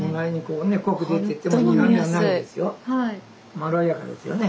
まろやかですよね。